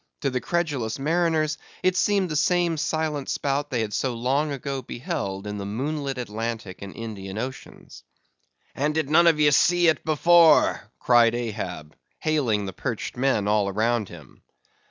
To the credulous mariners it seemed the same silent spout they had so long ago beheld in the moonlit Atlantic and Indian Oceans. "And did none of ye see it before?" cried Ahab, hailing the perched men all around him.